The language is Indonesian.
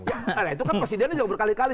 ya karena itu kan presidennya juga berkali kali